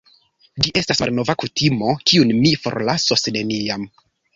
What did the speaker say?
Ĝi estas malnova kutimo, kiun mi forlasos neniam.